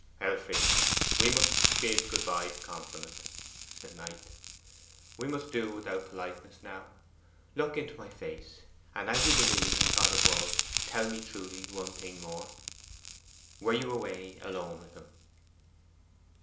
'Elfride, we must bid good bye to compliment,' said Knight: 'we must do without politeness now. Look in my face, and as you believe in God above, tell me truly one thing more. Were you away alone with him?